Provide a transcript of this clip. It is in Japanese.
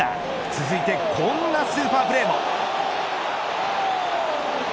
続いてこんなスーパープレーも。